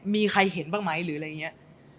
มีใครเห็นบ้างไหมหรืออะไรอย่างนี้